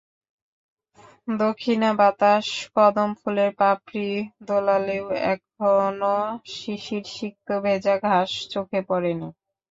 দক্ষিণা বাতাস কদম ফুলের পাপড়ি দোলালেও এখনো শিশিরসিক্ত ভেজা ঘাস চোখে পড়েনি।